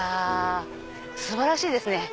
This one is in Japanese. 素晴らしいですね。